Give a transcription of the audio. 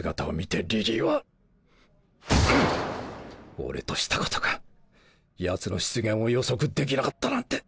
俺としたことがヤツの出現を予測できなかったなんて。